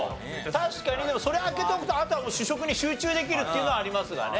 確かにでもそれ開けておくとあとはもう主食に集中できるっていうのはありますがね。